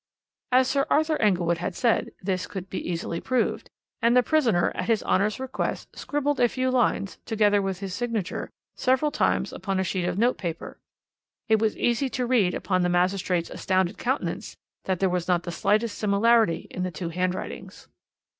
"As Sir Arthur Inglewood had said, this could be easily proved, and the prisoner, at his Honour's request, scribbled a few lines, together with his signature, several times upon a sheet of note paper. It was easy to read upon the magistrate's astounded countenance, that there was not the slightest similarity in the two handwritings.